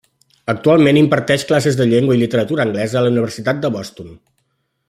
Actualment imparteix classes de llengua i literatura anglesa a la Universitat de Boston.